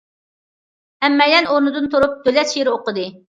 ھەممەيلەن ئورنىدىن تۇرۇپ، دۆلەت شېئىرى ئوقۇدى.